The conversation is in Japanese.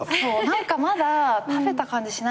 何かまだ食べた感じしないな。